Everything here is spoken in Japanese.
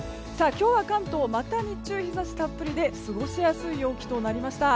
今日は関東また日中、日差したっぷりで過ごしやすい陽気となりました。